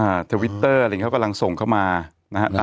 อ่าทวิตเตอร์เขากำลังส่งเข้ามานะครับ